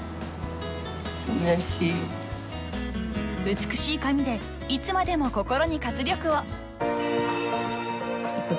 ［美しい髪でいつまでも心に活力を！］